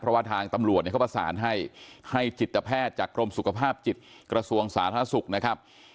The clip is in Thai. เพราะว่าทางตำรวจเนี่ยเขาประสานให้ให้จิตแพทย์จากกรมสุขภาพจิตกระทรวงสาธารณสุขนะครับ